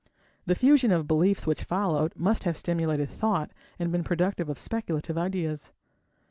The fusion of beliefs which followed must have stimulated thought and been productive of speculative ideas.